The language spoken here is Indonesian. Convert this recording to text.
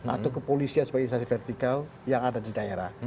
atau kepolisian sebagai instansi vertikal yang ada di daerah